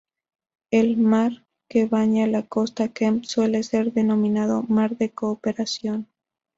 El mar que baña la costa Kemp suele ser denominado mar de la Cooperación.